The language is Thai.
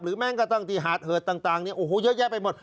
หรือแม่งก็ตั้งที่หาดเหิดต่างต่างเนี่ยโอ้โหเยอะแยะไปหมด